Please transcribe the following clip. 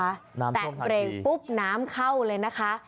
แตะเบรกปุ๊บน้ำเข้าเลยนะคะ